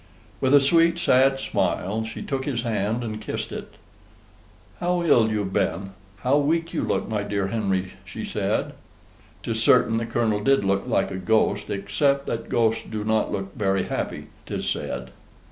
With a sweet sad smile she took his hand and kissed it. "How ill you have been: how weak you look, my dear Henry," she said. 'Tis certain the Colonel did look like a ghost, except that ghosts do not look very happy, 'tis said.